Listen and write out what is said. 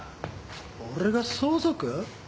俺が相続！？